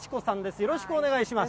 よろしくお願いします。